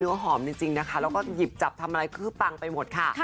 หอมจริงนะคะแล้วก็หยิบจับทำอะไรคือปังไปหมดค่ะ